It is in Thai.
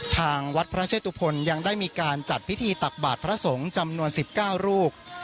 ทางวัดพระเชตุพลยังได้มีการจัดพิธีตักบาทพระสงฆ์จำนวน๑๙รูป